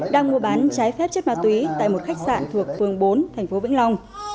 đang mua bán trái phép chất ma túy tại một khách sạn thuộc phường bốn thành phố vĩnh long